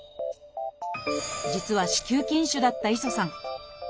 実は子宮筋腫だった磯さん。